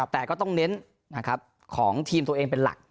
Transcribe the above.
แต่ก็ต้องเน้นของทีมตัวเองเป็นหลัก